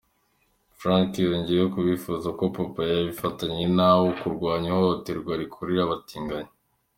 Frank yongeyeho ko bifuza ko papa yakifatanya nabo mu kurwanya ihohoterwa rikorerwa abatinganyi.